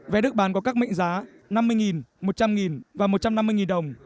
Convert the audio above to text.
vé đức bán có các mệnh giá năm mươi một trăm linh và một trăm năm mươi đồng